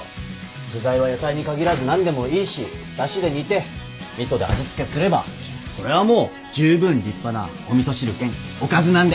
具材は野菜に限らず何でもいいしだしで煮て味噌で味付けすればそれはもうじゅうぶん立派なお味噌汁兼おかずなんで。